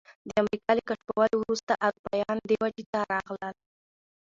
د امریکا له کشفولو وروسته اروپایان دې وچې ته راغلل.